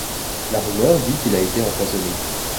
La rumeur dit qu'il a été empoisonné.